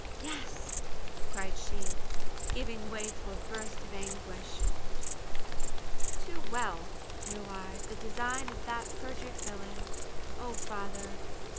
"Yes!" cried she, giving way to a burst of anguish, "too well know I the design of that perjured villain. O father!